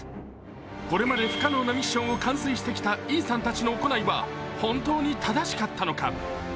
これまで不可能なミッションを完遂してきたイーサンたちの行いは本当に正しかったのか。